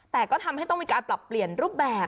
แต่ก็ทำให้ต้องมีการปรับเปลี่ยนรูปแบบ